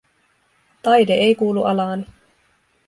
Taide ei kuulu alaani.